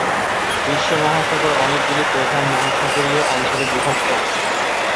বিশ্ব মহাসাগর অনেকগুলি প্রধান মহাসাগরীয় অঞ্চলে বিভক্ত।